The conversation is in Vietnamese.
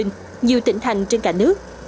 nhiều tỉnh thành trên cả nước